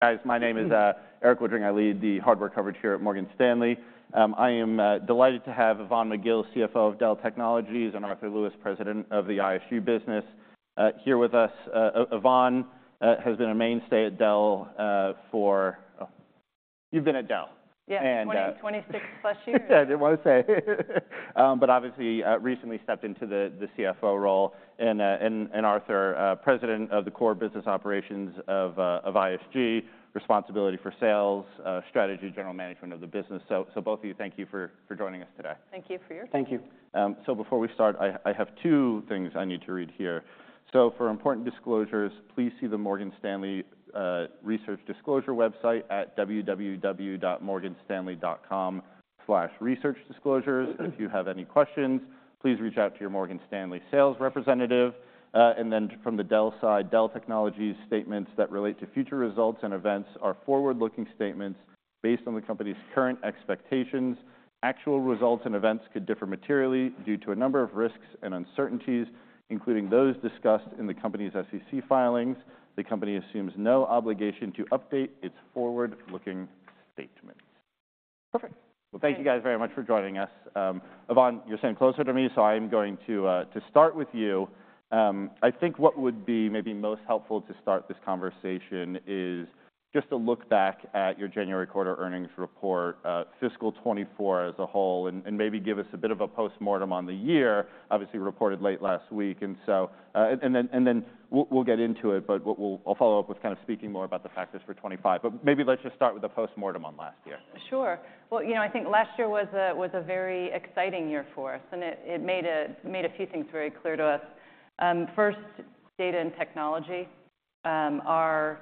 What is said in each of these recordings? Guys, my name is Erik Woodring. I lead the hardware coverage here at Morgan Stanley. I am delighted to have Yvonne McGill, CFO of Dell Technologies, and Arthur Lewis, President of the ISG business, here with us. Yvonne has been a mainstay at Dell, for oh, you've been at Dell. Yeah, 20, 26+ years. Yeah, didn't wanna say, but obviously recently stepped into the CFO role. And Arthur, President of ISG, responsibility for sales, strategy, general management of the business. So both of you, thank you for joining us today. Thank you for your time. Thank you. Before we start, I have two things I need to read here. For important disclosures, please see the Morgan Stanley research disclosure website at www.morganstanley.com/researchdisclosures. If you have any questions, please reach out to your Morgan Stanley sales representative. Then from the Dell side, Dell Technologies' statements that relate to future results and events are forward-looking statements based on the company's current expectations. Actual results and events could differ materially due to a number of risks and uncertainties, including those discussed in the company's SEC filings. The company assumes no obligation to update its forward-looking statements. Perfect. Well, thank you guys very much for joining us. Yvonne, you're standing closer to me, so I'm going to start with you. I think what would be maybe most helpful to start this conversation is just a look back at your January quarter earnings report, fiscal 2024 as a whole, and maybe give us a bit of a postmortem on the year, obviously reported late last week. And then we'll get into it, but I'll follow up with kind of speaking more about the factors for 2025. Maybe let's just start with a postmortem on last year. Sure. Well, you know, I think last year was a very exciting year for us, and it made a few things very clear to us. First, data and technology are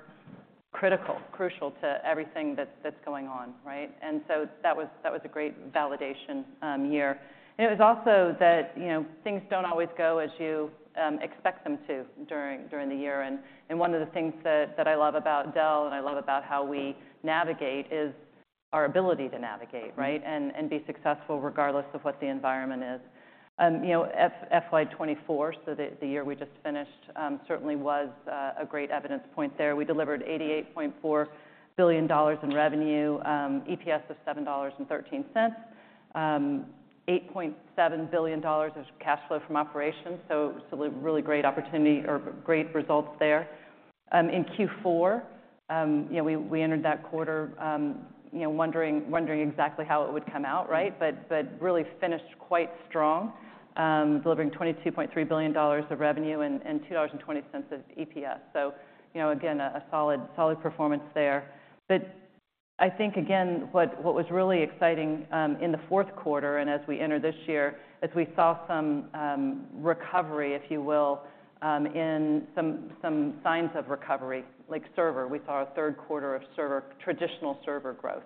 critical, crucial to everything that's going on, right? And so that was a great validation year. And it was also that, you know, things don't always go as you expect them to during the year. And one of the things that I love about Dell and I love about how we navigate is our ability to navigate, right, and be successful regardless of what the environment is. You know, FY 2024, so the year we just finished, certainly was a great evidence point there. We delivered $88.4 billion in revenue, EPS of $7.13, $8.7 billion of cash flow from operations. So, really great opportunity or great results there. In Q4, you know, we entered that quarter, you know, wondering exactly how it would come out, right, but really finished quite strong, delivering $22.3 billion of revenue and $2.20 of EPS. So, you know, again, a solid performance there. But I think, again, what was really exciting, in the fourth quarter and as we enter this year, is we saw some recovery, if you will, in some signs of recovery, like server. We saw a third quarter of traditional server growth.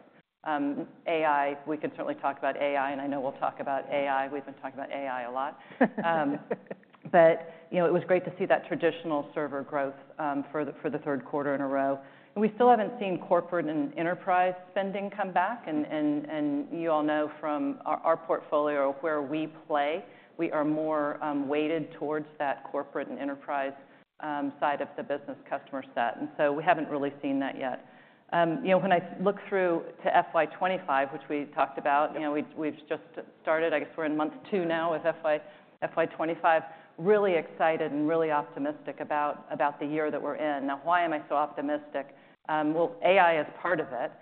AI, we can certainly talk about AI, and I know we'll talk about AI. We've been talking about AI a lot. But, you know, it was great to see that traditional server growth, for the third quarter in a row. We still haven't seen corporate and enterprise spending come back. And you all know from our portfolio where we play, we are more weighted towards that corporate and enterprise side of the business customer set. So we haven't really seen that yet. You know, when I look through to FY 2025, which we talked about, you know, we've just started. I guess we're in month two now of FY 2025. Really excited and really optimistic about the year that we're in. Now, why am I so optimistic? Well, AI is part of it,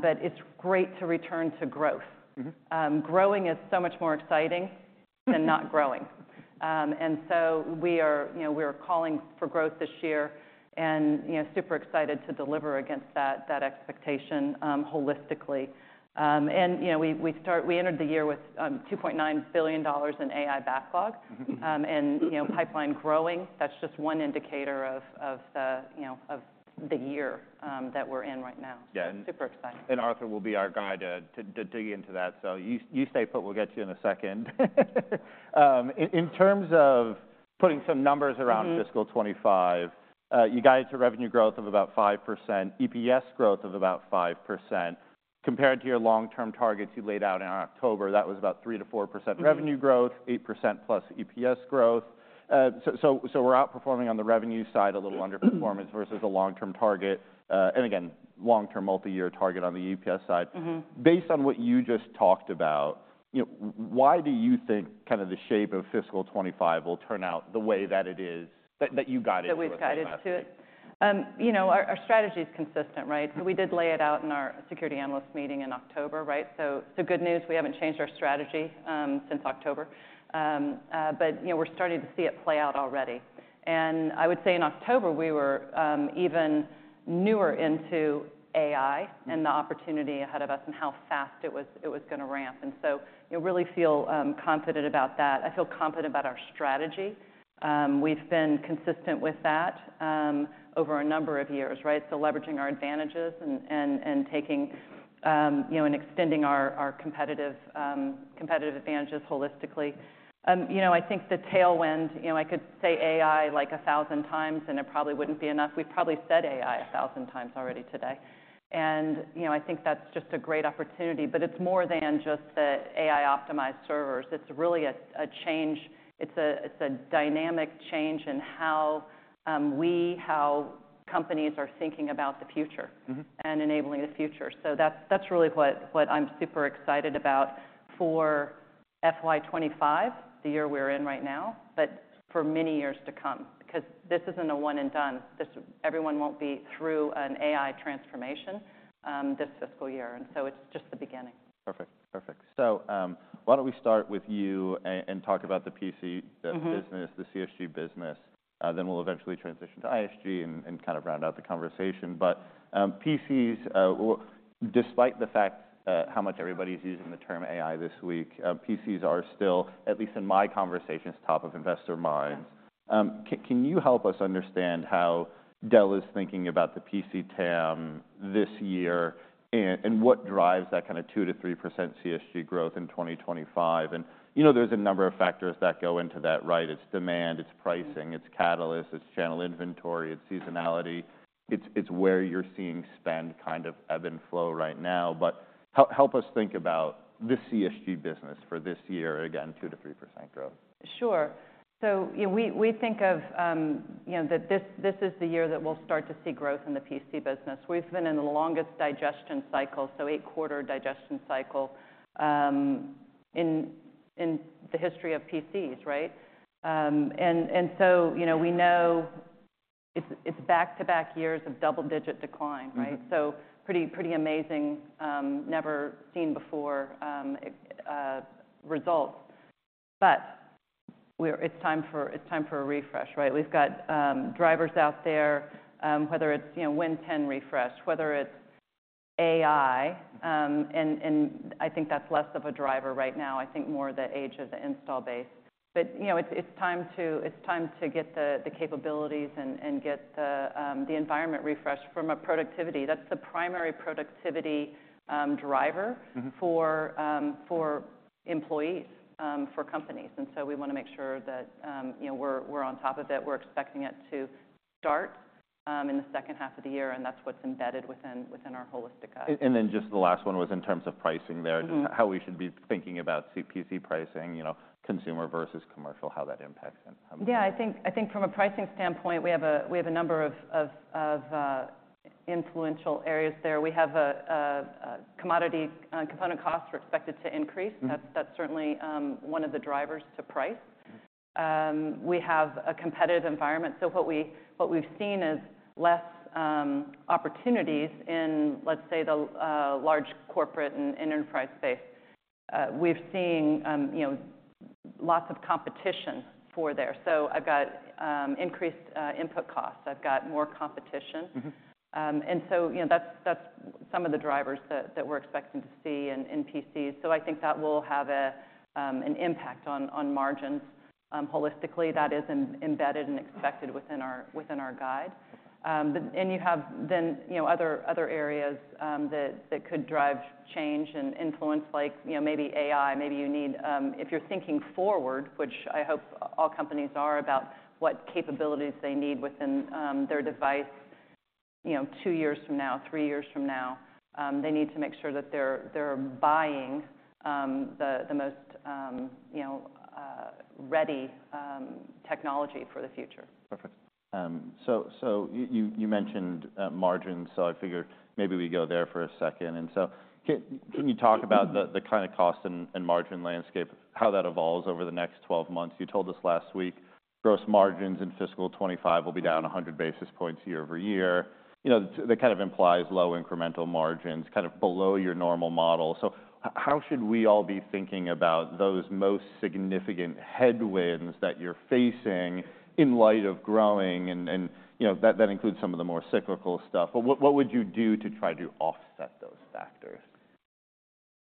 but it's great to return to growth. Growing is so much more exciting than not growing. So, you know, we are calling for growth this year and, you know, super excited to deliver against that expectation, holistically. You know, we entered the year with $2.9 billion in AI backlog, and, you know, pipeline growing. That's just one indicator of the year that we're in right now. Yeah. And. Super exciting. Arthur will be our guy to dig into that. So you stay put. We'll get you in a second. In terms of putting some numbers around fiscal 2025, you got into revenue growth of about 5%, EPS growth of about 5%. Compared to your long-term targets you laid out in October, that was about 3%-4% revenue growth, 8%+ EPS growth. So we're outperforming on the revenue side a little underperformance versus a long-term target, and again, long-term multi-year target on the EPS side. Mm-hmm. Based on what you just talked about, you know, why do you think kind of the shape of fiscal 2025 will turn out the way that it is that you guided it to? That we've guided it to it. You know, our strategy's consistent, right? So we did lay it out in our Securities Analyst Meeting in October, right? So good news. We haven't changed our strategy since October. But you know, we're starting to see it play out already. And I would say in October, we were even newer into AI and the opportunity ahead of us and how fast it was gonna ramp. And so, you know, really feel confident about that. I feel confident about our strategy. We've been consistent with that over a number of years, right? So leveraging our advantages and taking, you know, and extending our competitive advantages holistically. You know, I think the tailwind, you know, I could say AI like 1,000 times, and it probably wouldn't be enough. We've probably said AI 1,000 times already today. You know, I think that's just a great opportunity. But it's more than just the AI-optimized servers. It's really a change. It's a dynamic change in how companies are thinking about the future. Mm-hmm. Enabling the future. So that's really what I'm super excited about for FY 2025, the year we're in right now, but for many years to come because this isn't a one-and-done. This everyone won't be through an AI transformation, this fiscal year. So it's just the beginning. Perfect. Perfect. So, why don't we start with you and talk about the PC, the business, the CSG business, then we'll eventually transition to ISG and kind of round out the conversation. But, PCs, well, despite the fact, how much everybody's using the term AI this week, PCs are still, at least in my conversations, top of investor minds. Can you help us understand how Dell is thinking about the PC TAM this year and what drives that kind of 2%-3% CSG growth in 2025? And, you know, there's a number of factors that go into that, right? It's demand. It's pricing. It's catalysts. It's channel inventory. It's seasonality. It's where you're seeing spend kind of ebb and flow right now. But help us think about the CSG business for this year, again, 2%-3% growth. Sure. So, you know, we think of, you know, that this is the year that we'll start to see growth in the PC business. We've been in the longest digestion cycle, so eight-quarter digestion cycle, in the history of PCs, right? And so, you know, we know it's back-to-back years of double-digit decline, right? Mm-hmm. So, pretty, pretty amazing, never-seen-before results. But it's time for a refresh, right? We've got drivers out there, whether it's, you know, Win 10 refresh, whether it's AI, and I think that's less of a driver right now. I think it's more the age of the install base. But, you know, it's time to get the capabilities and get the environment refreshed for productivity. That's the primary productivity driver. Mm-hmm. For employees, for companies. And so we wanna make sure that, you know, we're on top of it. We're expecting it to start in the second half of the year. And that's what's embedded within our holistic OP. And then just the last one was in terms of pricing there. Mm-hmm. Just how we should be thinking about CPC pricing, you know, consumer versus commercial, how that impacts and how. Yeah. I think from a pricing standpoint, we have a number of influential areas there. We have commodity component costs we're expected to increase. Mm-hmm. That's certainly one of the drivers to price. Mm-hmm. We have a competitive environment. So what we've seen is less opportunities in, let's say, the large corporate and enterprise space. We've seen, you know, lots of competition for there. So I've got increased input costs. I've got more competition. Mm-hmm. you know, that's some of the drivers that we're expecting to see in PCs. So I think that will have an impact on margins, holistically. That is embedded and expected within our guide. Okay. But you have, then, you know, other areas that could drive change and influence, like, you know, maybe AI. Maybe you need, if you're thinking forward, which I hope all companies are, about what capabilities they need within their device, you know, two years from now, three years from now, they need to make sure that they're buying the most, you know, ready technology for the future. Perfect. So you mentioned margins. So I figured maybe we go there for a second. So can you talk about the kind of cost and margin landscape, how that evolves over the next 12 months? You told us last week gross margins in fiscal 2025 will be down 100 basis points year-over-year. You know, that kind of implies low incremental margins, kind of below your normal model. So how should we all be thinking about those most significant headwinds that you're facing in light of growing and, you know, that includes some of the more cyclical stuff? But what would you do to try to offset those factors?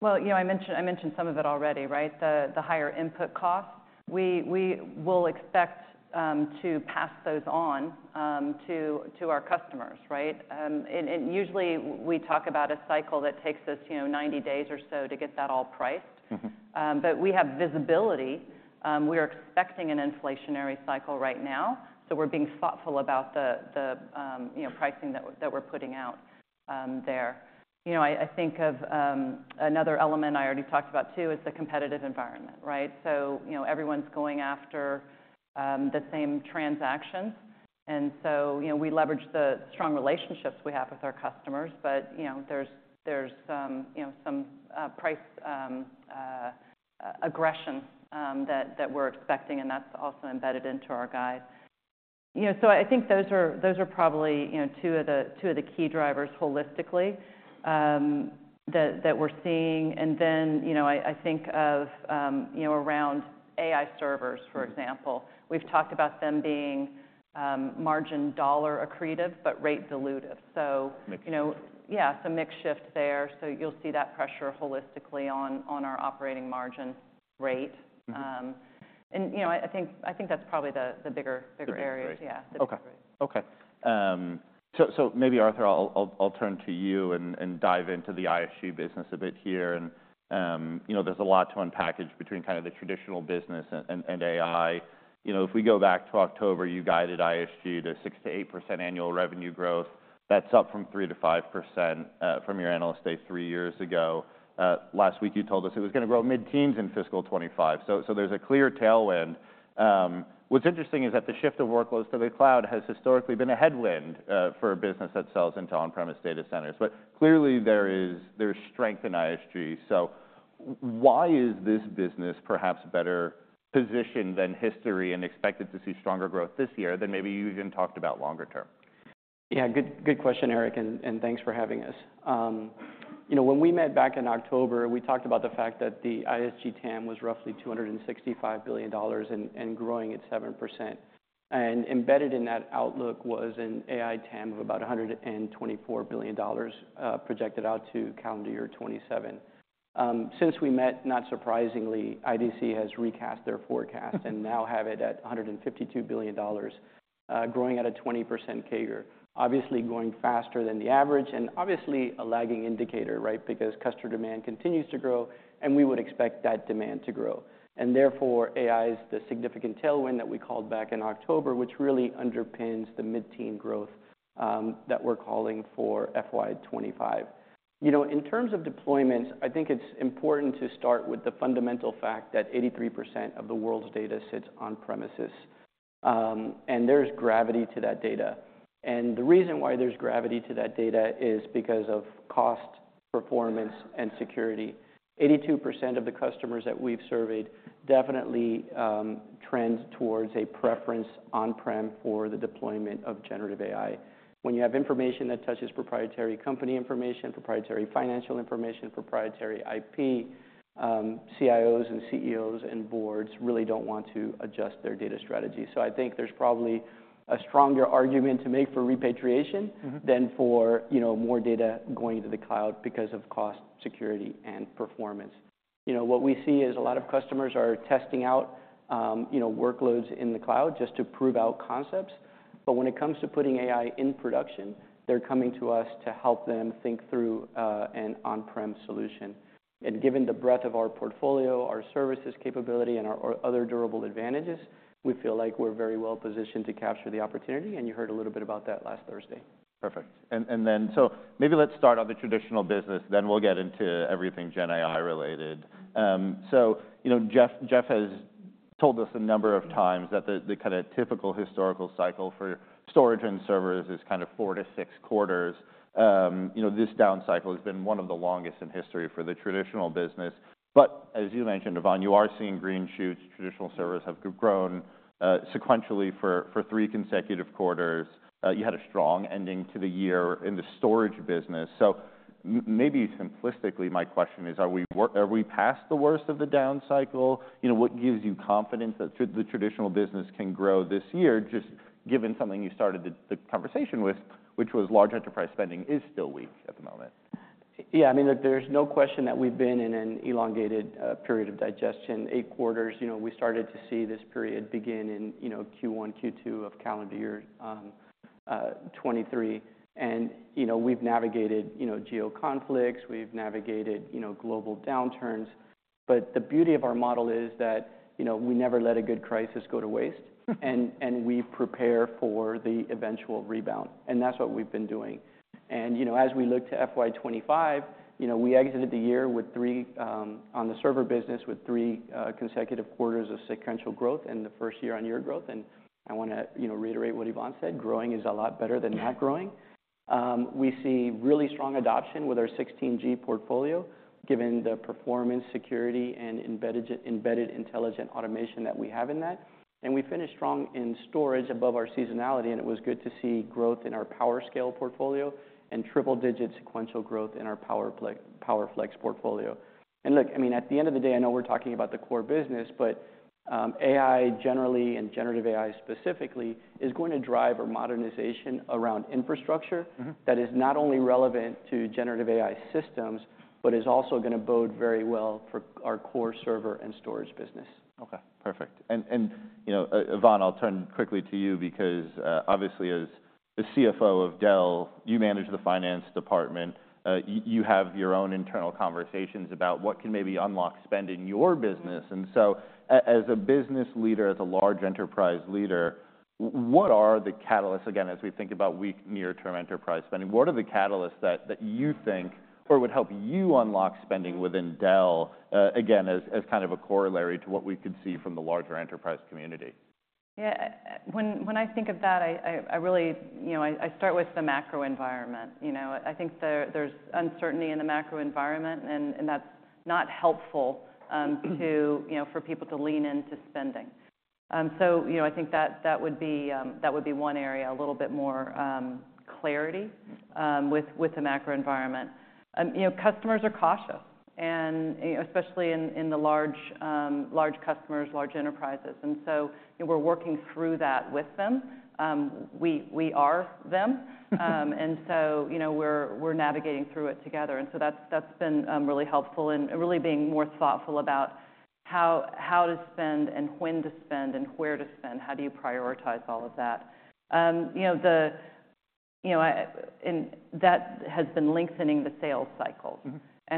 Well, you know, I mentioned some of it already, right? The higher input costs. We will expect to pass those on to our customers, right? And usually, we talk about a cycle that takes us, you know, 90 days or so to get that all priced. Mm-hmm. We have visibility. We are expecting an inflationary cycle right now. So we're being thoughtful about the, you know, pricing that we're putting out there. You know, I think of another element I already talked about too is the competitive environment, right? So, you know, everyone's going after the same transactions. And so, you know, we leverage the strong relationships we have with our customers. But, you know, there's you know some price aggression that we're expecting. And that's also embedded into our guide. You know, so I think those are probably, you know, two of the key drivers holistically that we're seeing. And then, you know, I think of you know around AI servers, for example. We've talked about them being margin dollar accretive but rate dilutive. So. Mixed. You know, yeah. So mixed shift there. So you'll see that pressure holistically on, on our operating margin rate. Mm-hmm. you know, I think that's probably the bigger areas. Bigger issues. Yeah. The bigger areas. Okay. So maybe, Arthur, I'll turn to you and dive into the ISG business a bit here. You know, there's a lot to unpack between kind of the traditional business and AI. You know, if we go back to October, you guided ISG to 6%-8% annual revenue growth. That's up from 3%-5%, from your analyst day three years ago. Last week, you told us it was gonna grow mid-teens in fiscal 2025. So there's a clear tailwind. What's interesting is that the shift of workloads to the cloud has historically been a headwind for a business that sells into on-premise data centers. But clearly, there's strength in ISG. So why is this business perhaps better positioned than history and expected to see stronger growth this year than maybe you even talked about longer term? Yeah. Good, good question, Eric. And, and thanks for having us. You know, when we met back in October, we talked about the fact that the ISG TAM was roughly $265 billion and, and growing at 7%. And embedded in that outlook was an AI TAM of about $124 billion, projected out to calendar year 2027. Since we met, not surprisingly, IDC has recast their forecast and now have it at $152 billion, growing at a 20% CAGR, obviously going faster than the average and obviously a lagging indicator, right, because customer demand continues to grow. And we would expect that demand to grow. And therefore, AI is the significant tailwind that we called back in October, which really underpins the mid-teen growth, that we're calling for FY 2025. You know, in terms of deployments, I think it's important to start with the fundamental fact that 83% of the world's data sits on-premises. And there's gravity to that data. And the reason why there's gravity to that data is because of cost, performance, and security. 82% of the customers that we've surveyed definitely trend towards a preference on-prem for the deployment of generative AI. When you have information that touches proprietary company information, proprietary financial information, proprietary IP, CIOs and CEOs and boards really don't want to adjust their data strategy. So I think there's probably a stronger argument to make for repatriation. Mm-hmm. Then for, you know, more data going to the cloud because of cost, security, and performance. You know, what we see is a lot of customers are testing out, you know, workloads in the cloud just to prove out concepts. But when it comes to putting AI in production, they're coming to us to help them think through an on-prem solution. And given the breadth of our portfolio, our services capability, and our other durable advantages, we feel like we're very well positioned to capture the opportunity. And you heard a little bit about that last Thursday. Perfect. And then so maybe let's start on the traditional business. Then we'll get into everything GenAI related. So, you know, Jeff has told us a number of times that the kind of typical historical cycle for storage and servers is kind of four to six quarters. You know, this down cycle has been one of the longest in history for the traditional business. But as you mentioned, Yvonne, you are seeing green shoots. Traditional servers have grown sequentially for three consecutive quarters. You had a strong ending to the year in the storage business. So maybe simplistically, my question is, are we past the worst of the down cycle? You know, what gives you confidence that the traditional business can grow this year just given something you started the conversation with, which was large enterprise spending is still weak at the moment? Yeah. I mean, look, there's no question that we've been in an elongated period of digestion. Eight quarters, you know, we started to see this period begin in, you know, Q1, Q2 of calendar year 2023. You know, we've navigated, you know, geo conflicts. We've navigated, you know, global downturns. The beauty of our model is that, you know, we never let a good crisis go to waste. Mm-hmm. And we prepare for the eventual rebound. And that's what we've been doing. And, you know, as we look to FY 2025, you know, we exited the year with three consecutive quarters of sequential growth on the server business and the first year-on-year growth. And I wanna, you know, reiterate what Yvonne said. Growing is a lot better than not growing. We see really strong adoption with our 16G portfolio given the performance, security, and embedded intelligent automation that we have in that. And we finished strong in storage above our seasonality. And it was good to see growth in our PowerScale portfolio and triple-digit sequential growth in our PowerFlex portfolio. And look, I mean, at the end of the day, I know we're talking about the core business. But, AI generally and generative AI specifically is going to drive our modernization around infrastructure. Mm-hmm. That is not only relevant to generative AI systems but is also gonna bode very well for our core server and storage business. Okay. Perfect. And, you know, Yvonne, I'll turn quickly to you because, obviously, as the CFO of Dell, you manage the finance department. You have your own internal conversations about what can maybe unlock spend in your business. And so as a business leader, as a large enterprise leader, what are the catalysts again, as we think about weak near-term enterprise spending, what are the catalysts that you think or would help you unlock spending within Dell, again, as kind of a corollary to what we could see from the larger enterprise community? Yeah. When I think of that, I really, you know, start with the macro environment. You know, I think there's uncertainty in the macro environment. And that's not helpful to. Mm-hmm. You know, for people to lean into spending. So, you know, I think that, that would be, that would be one area, a little bit more clarity with, with the macro environment. You know, customers are cautious. And, you know, especially in, in the large, large customers, large enterprises. And so, you know, we're working through that with them. We are them. Mm-hmm. And so, you know, we're navigating through it together. And so that's been really helpful in really being more thoughtful about how to spend and when to spend and where to spend. How do you prioritize all of that? You know, the you know, I and that has been lengthening the sales cycle.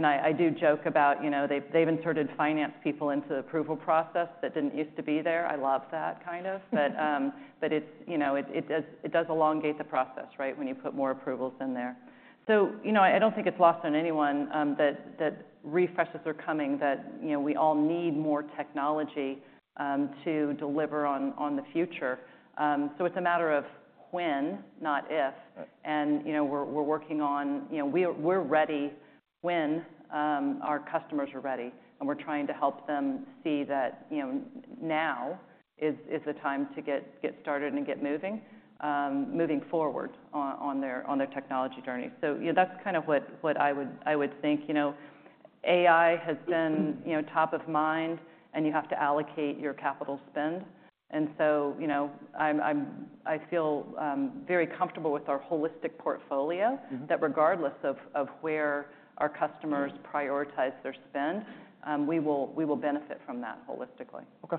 Mm-hmm. I do joke about, you know, they've inserted finance people into the approval process that didn't used to be there. I love that kind of. Mm-hmm. But it's, you know, it does elongate the process, right, when you put more approvals in there. So, you know, I don't think it's lost on anyone that refreshes are coming, that, you know, we all need more technology to deliver on the future. So it's a matter of when, not if. Right. And, you know, we're working on, you know, we're ready when our customers are ready. And we're trying to help them see that, you know, now is the time to get started and get moving forward on their technology journey. So, you know, that's kind of what I would think. You know, AI has been. Mm-hmm. You know, top of mind. You have to allocate your capital spend. So, you know, I feel very comfortable with our holistic portfolio. Mm-hmm. That regardless of where our customers prioritize their spend, we will benefit from that holistically. Okay.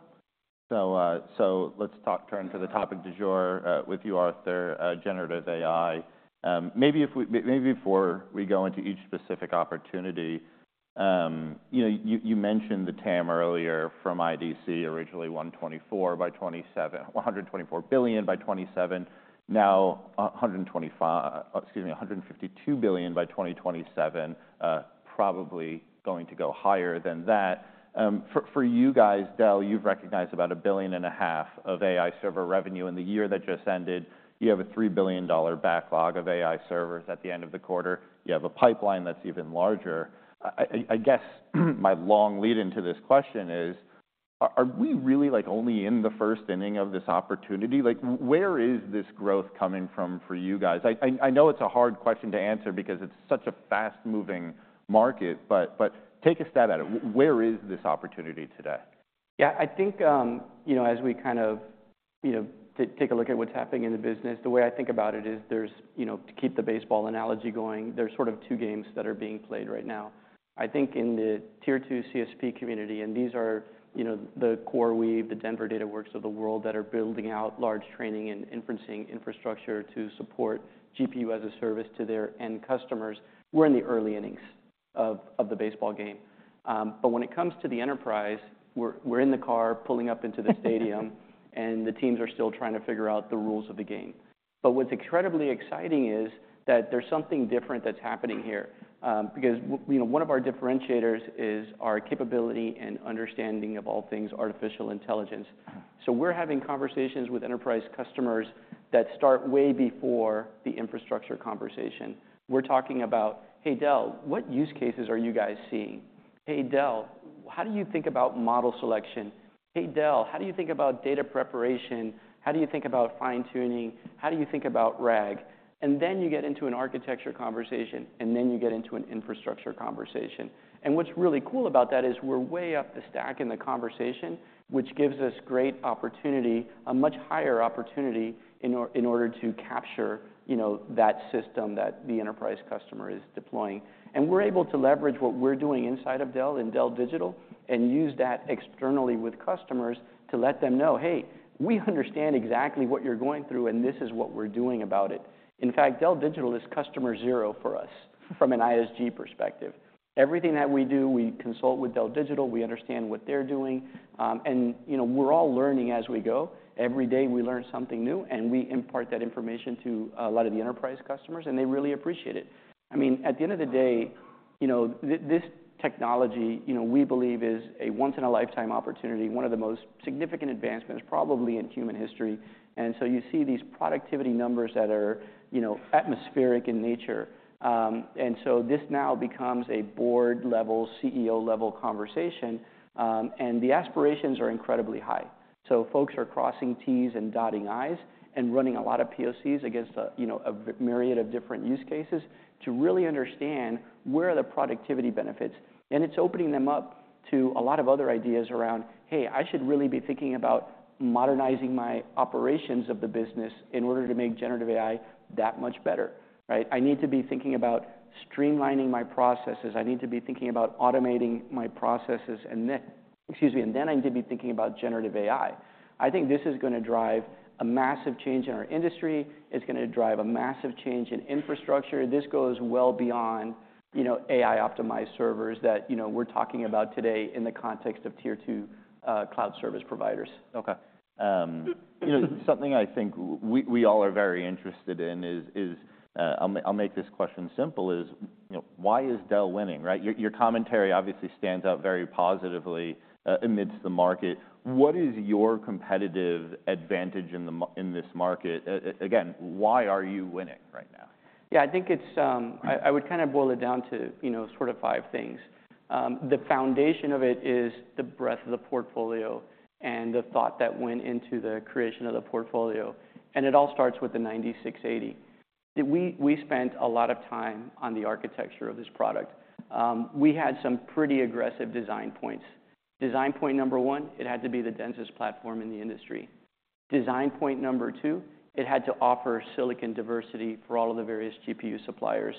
So let's turn to the topic du jour, with you, Arthur, generative AI. Maybe if we before we go into each specific opportunity, you know, you mentioned the TAM earlier from IDC, originally $124 billion by 2027, $124 billion by 2027. Now, excuse me, $152 billion by 2027, probably going to go higher than that. For you guys, Dell, you've recognized about $1.5 billion of AI server revenue in the year that just ended. You have a $3 billion backlog of AI servers at the end of the quarter. You have a pipeline that's even larger. I guess my long lead-in to this question is, are we really, like, only in the first inning of this opportunity? Like, where is this growth coming from for you guys? I know it's a hard question to answer because it's such a fast-moving market. But take a step at it. Where is this opportunity today? Yeah. I think, you know, as we kind of, you know, take a look at what's happening in the business, the way I think about it is there's, you know, to keep the baseball analogy going, there's sort of two games that are being played right now. I think in the Tier II CSP community and these are, you know, the CoreWeave, the Denvr Dataworks of the world that are building out large training and inferencing infrastructure to support GPU as a service to their end customers, we're in the early innings of the baseball game. But when it comes to the enterprise, we're in the car pulling up into the stadium. And the teams are still trying to figure out the rules of the game. But what's incredibly exciting is that there's something different that's happening here, because, you know, one of our differentiators is our capability and understanding of all things artificial intelligence. Mm-hmm. So we're having conversations with enterprise customers that start way before the infrastructure conversation. We're talking about, "Hey, Dell, what use cases are you guys seeing? Hey, Dell, how do you think about model selection? Hey, Dell, how do you think about data preparation? How do you think about fine-tuning? How do you think about RAG?" And then you get into an architecture conversation. And then you get into an infrastructure conversation. And what's really cool about that is we're way up the stack in the conversation, which gives us great opportunity, a much higher opportunity in order to capture, you know, that system that the enterprise customer is deploying. And we're able to leverage what we're doing inside of Dell and Dell Digital and use that externally with customers to let them know, "Hey, we understand exactly what you're going through. And this is what we're doing about it." In fact, Dell Digital is customer zero for us from an ISG perspective. Everything that we do, we consult with Dell Digital. We understand what they're doing. And, you know, we're all learning as we go. Every day, we learn something new. And we impart that information to a lot of the enterprise customers. And they really appreciate it. I mean, at the end of the day, you know, this technology, you know, we believe is a once-in-a-lifetime opportunity, one of the most significant advancements probably in human history. And so you see these productivity numbers that are, you know, atmospheric in nature. And so this now becomes a board-level, CEO-level conversation. And the aspirations are incredibly high. So folks are crossing T's and dotting I's and running a lot of POCs against a, you know, a variety of different use cases to really understand where are the productivity benefits. And it's opening them up to a lot of other ideas around, "Hey, I should really be thinking about modernizing my operations of the business in order to make generative AI that much better," right? "I need to be thinking about streamlining my processes. I need to be thinking about automating my processes." And then, excuse me, I need to be thinking about generative AI. I think this is gonna drive a massive change in our industry. It's gonna drive a massive change in infrastructure. This goes well beyond, you know, AI-optimized servers that, you know, we're talking about today in the context of Tier II, cloud service providers. Okay. You know, something I think we all are very interested in is, I'll make this question simple, you know, why is Dell winning, right? Your commentary obviously stands out very positively amidst the market. What is your competitive advantage in the market in this market? Again, why are you winning right now? Yeah. I think it's. I would kinda boil it down to, you know, sort of five things. The foundation of it is the breadth of the portfolio and the thought that went into the creation of the portfolio. It all starts with the 9680. We, we spent a lot of time on the architecture of this product. We had some pretty aggressive design points. Design point number one, it had to be the densest platform in the industry. Design point number two, it had to offer silicon diversity for all of the various GPU suppliers.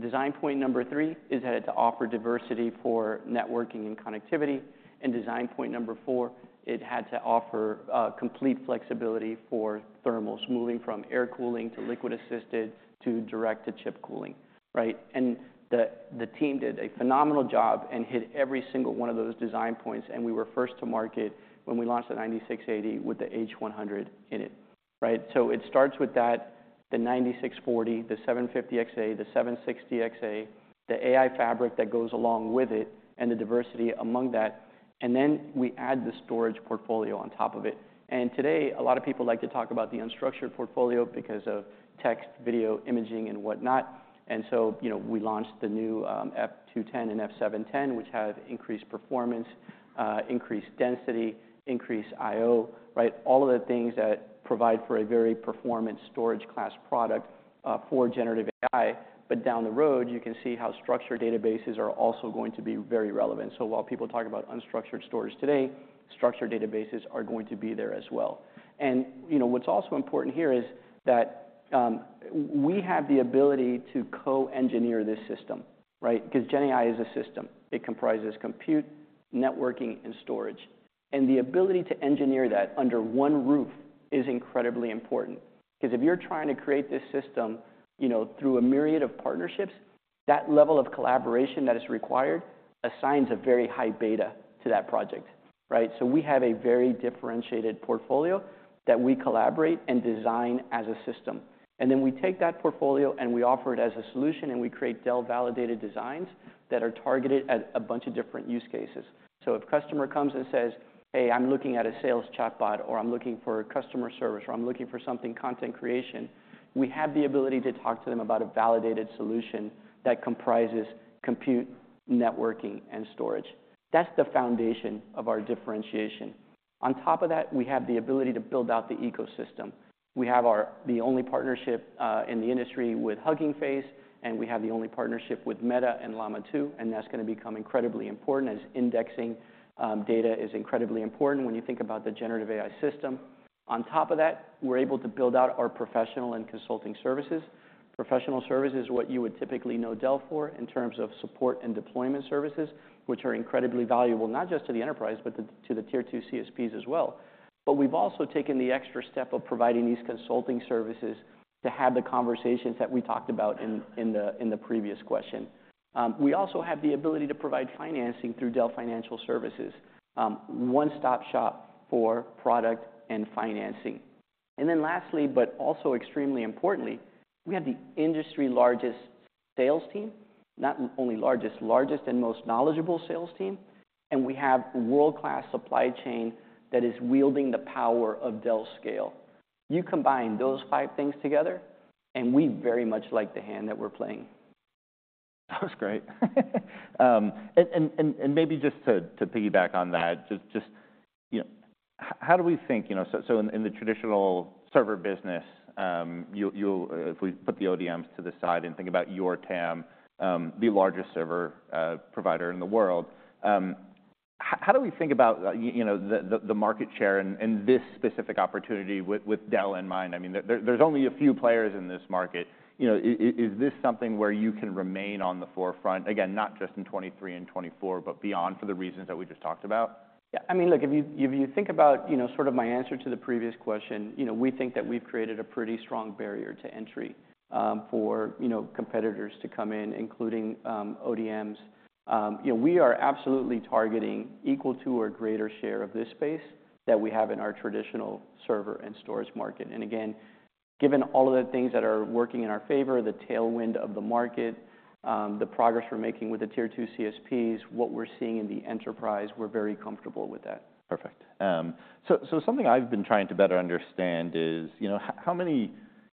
Design point number three is that it had to offer diversity for networking and connectivity. Design point number four, it had to offer complete flexibility for thermals, moving from air cooling to liquid-assisted to Direct-to-Chip Cooling, right? And the team did a phenomenal job and hit every single one of those design points. And we were first to market when we launched the 9680 with the H100 in it, right? So it starts with that, the 9640, the 750xa, the 760xa, the AI fabric that goes along with it, and the diversity among that. And then we add the storage portfolio on top of it. And today, a lot of people like to talk about the unstructured portfolio because of text, video, imaging, and whatnot. And so, you know, we launched the new F210 and F710, which have increased performance, increased density, increased I/O, right, all of the things that provide for a very performant storage-class product for generative AI. But down the road, you can see how structured databases are also going to be very relevant. So while people talk about unstructured storage today, structured databases are going to be there as well. And, you know, what's also important here is that, we have the ability to co-engineer this system, right, because GenAI is a system. It comprises compute, networking, and storage. And the ability to engineer that under one roof is incredibly important because if you're trying to create this system, you know, through a myriad of partnerships, that level of collaboration that is required assigns a very high beta to that project, right? So we have a very differentiated portfolio that we collaborate and design as a system. And then we take that portfolio, and we offer it as a solution. And we create Dell-validated designs that are targeted at a bunch of different use cases. So if a customer comes and says, "Hey, I'm looking at a sales chatbot," or, "I'm looking for customer service," or, "I'm looking for something content creation," we have the ability to talk to them about a validated solution that comprises compute, networking, and storage. That's the foundation of our differentiation. On top of that, we have the ability to build out the ecosystem. We have the only partnership, in the industry with Hugging Face. And we have the only partnership with Meta and Llama 2. And that's gonna become incredibly important as indexing data is incredibly important when you think about the generative AI system. On top of that, we're able to build out our professional and consulting services. Professional services is what you would typically know Dell for in terms of support and deployment services, which are incredibly valuable not just to the enterprise but to the Tier II CSPs as well. But we've also taken the extra step of providing these consulting services to have the conversations that we talked about in the previous question. We also have the ability to provide financing through Dell Financial Services, one-stop shop for product and financing. And then lastly, but also extremely importantly, we have the industry largest sales team, not only largest, largest and most knowledgeable sales team. And we have a world-class supply chain that is wielding the power of Dell scale. You combine those five things together. And we very much like the hand that we're playing. That was great. And maybe just to piggyback on that, you know, how do we think, you know, so in the traditional server business, you'll if we put the ODMs to the side and think about your TAM, the largest server provider in the world, how do we think about, you know, the market share in this specific opportunity with Dell in mind? I mean, there's only a few players in this market. You know, is this something where you can remain on the forefront, again, not just in 2023 and 2024 but beyond for the reasons that we just talked about? Yeah. I mean, look, if you think about, you know, sort of my answer to the previous question, you know, we think that we've created a pretty strong barrier to entry for, you know, competitors to come in, including ODMs. You know, we are absolutely targeting equal to or greater share of this space that we have in our traditional server and storage market. And again, given all of the things that are working in our favor, the tailwind of the market, the progress we're making with the Tier II CSPs, what we're seeing in the enterprise, we're very comfortable with that. Perfect. So something I've been trying to better understand is, you know, how many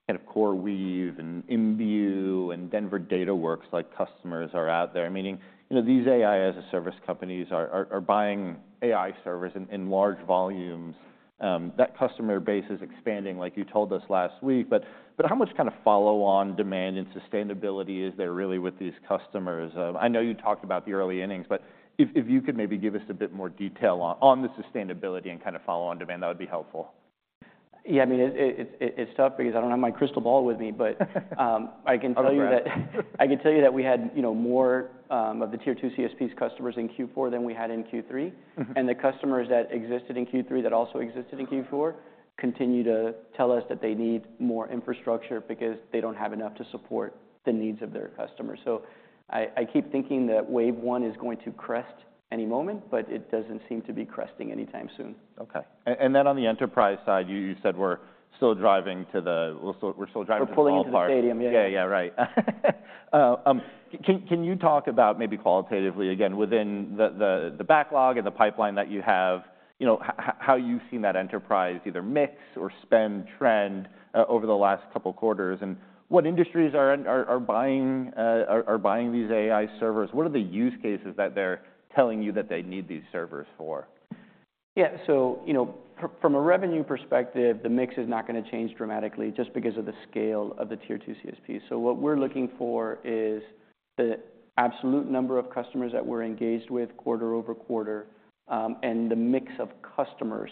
kind of CoreWeave and Imbue and Denvr Dataworks-like customers are out there? I mean, you know, these AI as a service companies are buying AI servers in large volumes. That customer base is expanding, like you told us last week. But how much kind of follow-on demand and sustainability is there really with these customers? I know you talked about the early innings. But if you could maybe give us a bit more detail on the sustainability and kind of follow-on demand, that would be helpful. Yeah. I mean, it's tough because I don't have my crystal ball with me. But, I can tell you that. Oh, that's right. I can tell you that we had, you know, more of the Tier II CSPs customers in Q4 than we had in Q3. Mm-hmm. The customers that existed in Q3 that also existed in Q4 continue to tell us that they need more infrastructure because they don't have enough to support the needs of their customers. So I keep thinking that wave one is going to crest any moment. But it doesn't seem to be cresting anytime soon. Okay. And then on the enterprise side, you said we're still driving to the cloud. We're pulling into the stadium. Yeah. Yeah. Yeah. Right. Can you talk about maybe qualitatively, again, within the backlog and the pipeline that you have, you know, how you've seen that enterprise either mix or spend trend, over the last couple quarters and what industries are buying these AI servers? What are the use cases that they're telling you that they need these servers for? Yeah. So, you know, from a revenue perspective, the mix is not gonna change dramatically just because of the scale of the Tier II CSPs. So what we're looking for is the absolute number of customers that we're engaged with quarter-over-quarter, and the mix of customers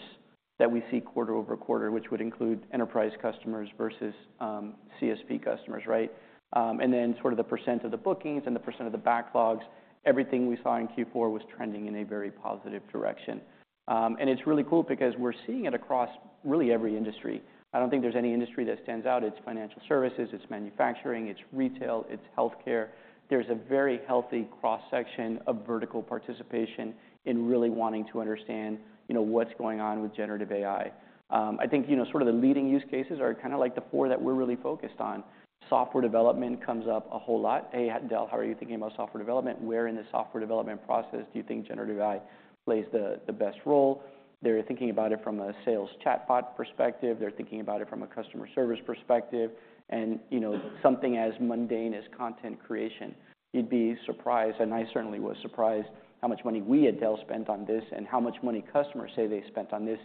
that we see quarter-over-quarter, which would include enterprise customers versus CSP customers, right? And then sort of the percent of the bookings and the percent of the backlogs, everything we saw in Q4 was trending in a very positive direction. And it's really cool because we're seeing it across really every industry. I don't think there's any industry that stands out. It's financial services. It's manufacturing. It's retail. It's healthcare. There's a very healthy cross-section of vertical participation in really wanting to understand, you know, what's going on with generative AI. I think, you know, sort of the leading use cases are kinda like the four that we're really focused on. Software development comes up a whole lot. "Hey, Dell, how are you thinking about software development? Where in the software development process do you think generative AI plays the best role?" They're thinking about it from a sales chatbot perspective. They're thinking about it from a customer service perspective. And, you know, something as mundane as content creation. You'd be surprised, and I certainly was surprised, how much money we at Dell spent on this and how much money customers say they spent on this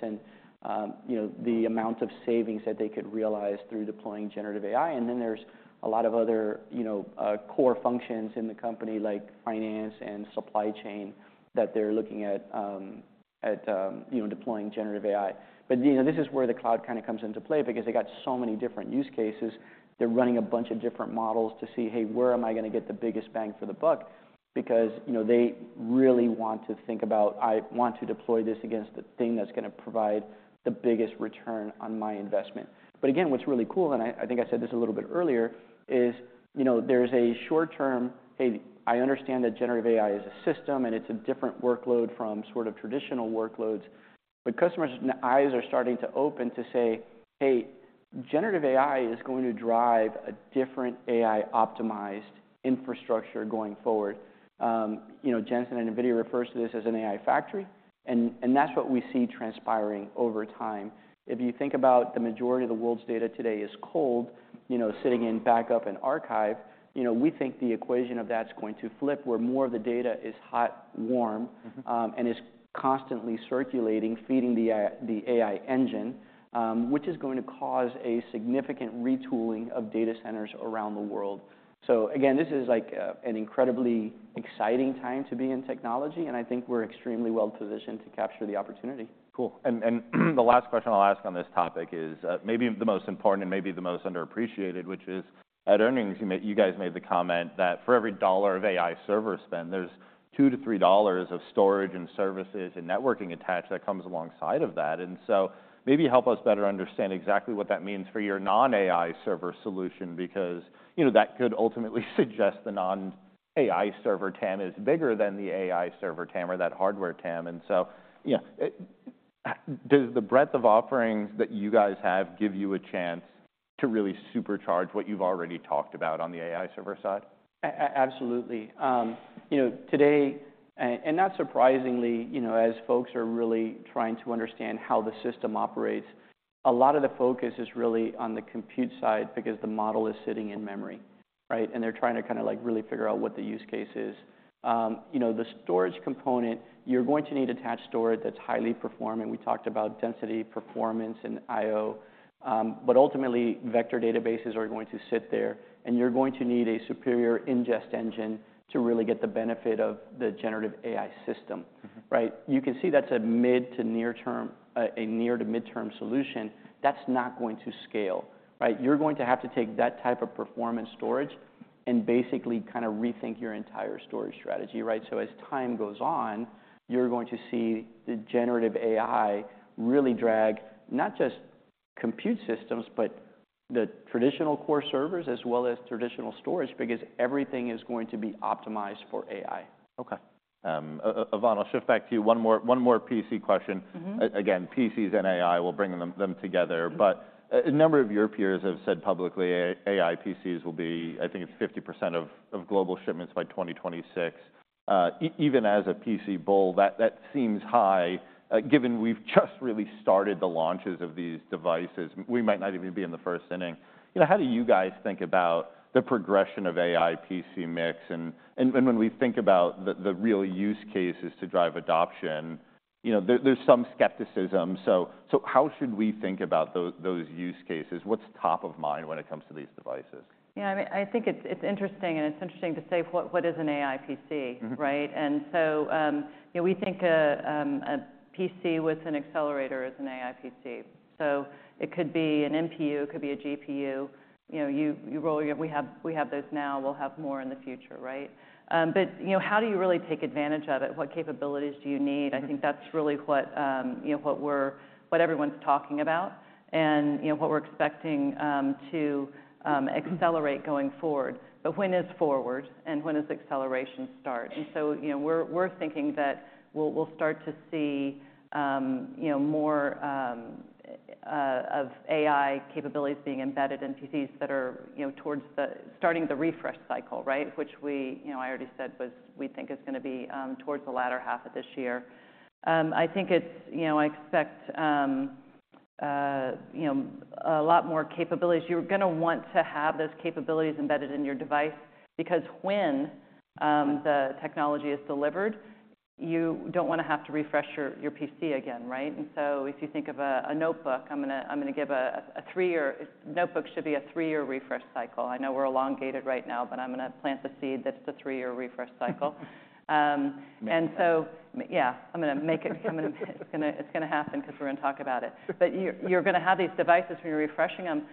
and, you know, the amount of savings that they could realize through deploying generative AI. And then there's a lot of other, you know, core functions in the company like finance and supply chain that they're looking at, you know, deploying generative AI. But, you know, this is where the cloud kinda comes into play because they got so many different use cases. They're running a bunch of different models to see, "Hey, where am I gonna get the biggest bang for the buck?" because, you know, they really want to think about, "I want to deploy this against the thing that's gonna provide the biggest return on my investment." But again, what's really cool, and I think I said this a little bit earlier, is, you know, there's a short-term, "Hey, I understand that generative AI is a system. And it's a different workload from sort of traditional workloads." But customers' eyes are starting to open to say, "Hey, generative AI is going to drive a different AI-optimized infrastructure going forward." You know, Jensen and NVIDIA refer to this as an AI factory. And that's what we see transpiring over time. If you think about the majority of the world's data today is cold, you know, sitting in backup and archive, you know, we think the equation of that's going to flip where more of the data is hot, warm. Mm-hmm. is constantly circulating, feeding the AI the AI engine, which is going to cause a significant retooling of data centers around the world. Again, this is like, an incredibly exciting time to be in technology. I think we're extremely well-positioned to capture the opportunity. Cool. And the last question I'll ask on this topic is, maybe the most important and maybe the most underappreciated, which is at earnings, you guys made the comment that for every dollar of AI server spent, there's $2-$3 of storage and services and networking attached that comes alongside of that. And so maybe help us better understand exactly what that means for your non-AI server solution because, you know, that could ultimately suggest the non-AI server TAM is bigger than the AI server TAM or that hardware TAM. And so, you know, how does the breadth of offerings that you guys have give you a chance to really supercharge what you've already talked about on the AI server side? Absolutely. You know, today and not surprisingly, you know, as folks are really trying to understand how the system operates, a lot of the focus is really on the compute side because the model is sitting in memory, right? And they're trying to kinda like really figure out what the use case is. You know, the storage component, you're going to need attached storage that's highly performing. We talked about density, performance, and I/O. But ultimately, vector databases are going to sit there. And you're going to need a superior ingest engine to really get the benefit of the generative AI system, right? Mm-hmm. You can see that's a mid to near-term a near to mid-term solution. That's not going to scale, right? You're going to have to take that type of performance storage and basically kinda rethink your entire storage strategy, right? So as time goes on, you're going to see the generative AI really drag not just compute systems but the traditional core servers as well as traditional storage because everything is going to be optimized for AI. Okay. Yvonne, I'll shift back to you. One more PC question. Mm-hmm. Again, PCs and AI will bring them together. But a number of your peers have said publicly AI PCs will be I think it's 50% of global shipments by 2026. Even as a PC bull, that seems high, given we've just really started the launches of these devices. We might not even be in the first inning. You know, how do you guys think about the progression of AI PC mix? And when we think about the real use cases to drive adoption, you know, there's some skepticism. So how should we think about those use cases? What's top of mind when it comes to these devices? Yeah. I mean, I think it's interesting. And it's interesting to say what is an AI PC, right? Mm-hmm. You know, we think a PC with an accelerator is an AI PC. So it could be an MPU. It could be a GPU. You know, we have those now. We'll have more in the future, right? But you know, how do you really take advantage of it? What capabilities do you need? Mm-hmm. I think that's really what, you know, what everyone's talking about and, you know, what we're expecting to accelerate going forward. But when is forward? And when does acceleration start? And so, you know, we're thinking that we'll start to see, you know, more of AI capabilities being embedded in PCs that are, you know, towards the starting the refresh cycle, right, which we, you know, I already said was we think is gonna be towards the latter half of this year. I think it's, you know, I expect, you know, a lot more capabilities. You're gonna want to have those capabilities embedded in your device because when the technology is delivered, you don't wanna have to refresh your PC again, right? And so if you think of a notebook, I'm gonna give a three-year AI notebook should be a three-year refresh cycle. I know we're elongated right now. But I'm gonna plant the seed that it's a three-year refresh cycle. And so. Make sure. Yeah. I'm gonna make it. Make sure. I'm gonna make it. It's gonna happen 'cause we're gonna talk about it. But you're gonna have these devices. When you're refreshing them,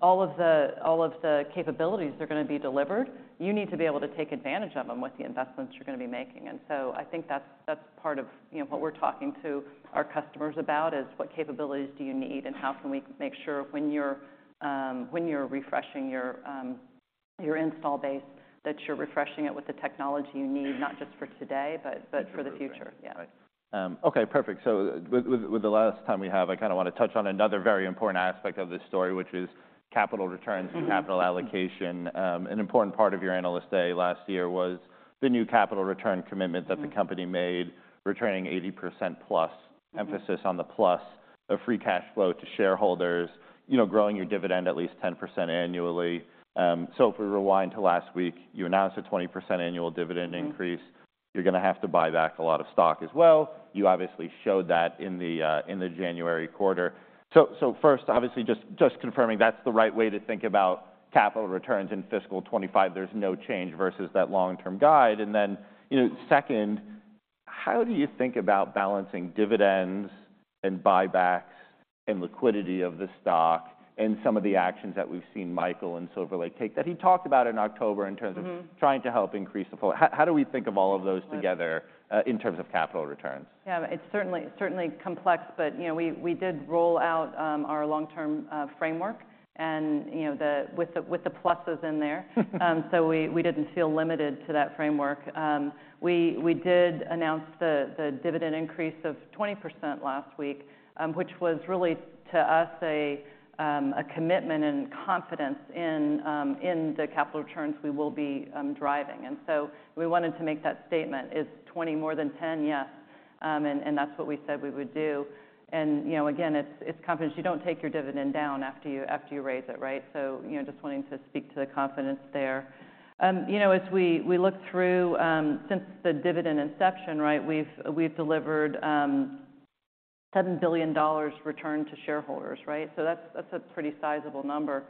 all of the capabilities are gonna be delivered. You need to be able to take advantage of them with the investments you're gonna be making. And so I think that's part of, you know, what we're talking to our customers about is what capabilities do you need? And how can we make sure when you're refreshing your install base that you're refreshing it with the technology you need not just for today but for the future? Sure. Yeah. Right. Okay. Perfect. So with the last time we have, I kinda wanna touch on another very important aspect of this story, which is capital returns and capital allocation. An important part of your analyst day last year was the new capital return commitment that the company made, returning 80%+, emphasis on the plus, of free cash flow to shareholders, you know, growing your dividend at least 10% annually. So if we rewind to last week, you announced a 20% annual dividend increase. Mm-hmm. You're gonna have to buy back a lot of stock as well. You obviously showed that in the January quarter. So first, obviously, just confirming that's the right way to think about capital returns in fiscal 2025. There's no change versus that long-term guide. And then, you know, second, how do you think about balancing dividends and buybacks and liquidity of the stock and some of the actions that we've seen Michael and Silver Lake take that he talked about in October in terms of. Mm-hmm. Trying to help increase the floor? How do we think of all of those together. Yeah. in terms of capital returns? Yeah. It's certainly, certainly complex. But, you know, we, we did roll out our long-term framework. And, you know, with the pluses in there. So we, we didn't feel limited to that framework. We, we did announce the dividend increase of 20% last week, which was really to us a commitment and confidence in the capital returns we will be driving. And so we wanted to make that statement. Is 20 more than 10? Yes. And that's what we said we would do. And, you know, again, it's confidence. You don't take your dividend down after you after you raise it, right? So, you know, just wanting to speak to the confidence there. You know, as we look through since the dividend inception, right, we've delivered $7 billion return to shareholders, right? So that's a pretty sizable number.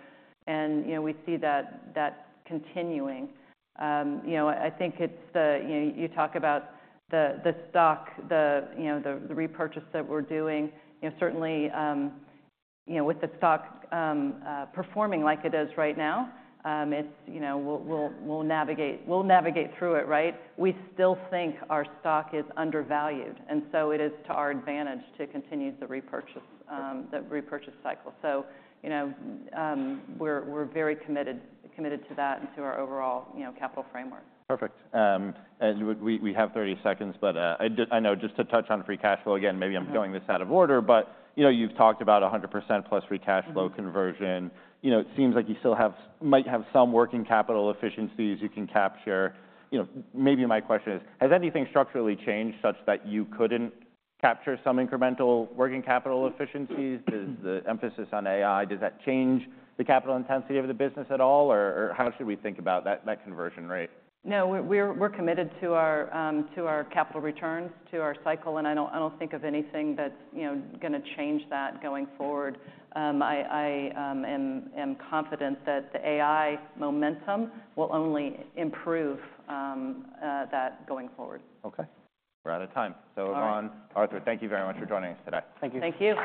You know, we see that continuing. You know, I think it's, you know, you talk about the stock, you know, the repurchase that we're doing. You know, certainly, you know, with the stock performing like it is right now, it's, you know, we'll navigate through it, right? We still think our stock is undervalued. And so it is to our advantage to continue the repurchase, the repurchase cycle. So, you know, we're very committed to that and to our overall, you know, capital framework. Perfect. We have 30 seconds. But, I do, I know just to touch on free cash flow again, maybe I'm going this out of order. But, you know, you've talked about 100%+ free cash flow conversion. You know, it seems like you still have some working capital efficiencies you can capture. You know, maybe my question is, has anything structurally changed such that you couldn't capture some incremental working capital efficiencies? Does the emphasis on AI, does that change the capital intensity of the business at all? Or, how should we think about that conversion rate? No. We're committed to our capital returns, to our cycle. I don't think of anything that's, you know, gonna change that going forward. I am confident that the AI momentum will only improve, that going forward. Okay. We're out of time. All right. Yvonne, Arthur, thank you very much for joining us today. Thank you. Thank you.